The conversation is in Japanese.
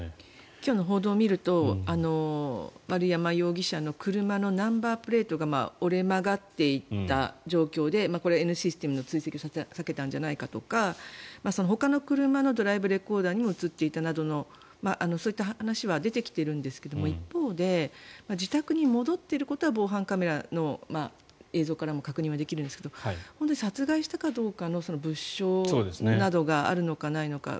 今日の報道を見ると丸山容疑者の車のナンバープレートが折れ曲がっていた状況でこれ、Ｎシステムの追跡を避けたんじゃないかとかほかの車のドライブレコーダーにも映っていたなどのそういった話は出てきているんですが一方で、自宅に戻っていることは防犯カメラの映像からも確認はできるんですけど殺害したかどうかの物証などがあるのか、ないのか。